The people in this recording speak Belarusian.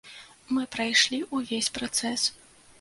Мы прайшлі ўвесь працэс.